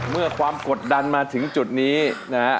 เมื่อความกดดันมาถึงจุดนี้นะฮะ